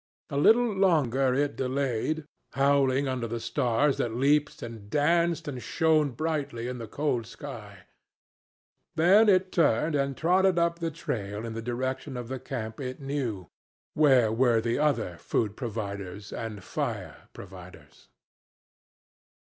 A little longer it delayed, howling under the stars that leaped and danced and shone brightly in the cold sky. Then it turned and trotted up the trail in the direction of the camp it knew, where were the other food providers and fire providers.